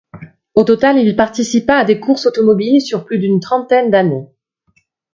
Au total il participa à des courses automobiles sur plus d'une trentaine d'années.